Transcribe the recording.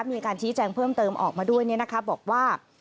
มีการชี้แจงเพิ่มเติมออกมาด้วยบอกว่า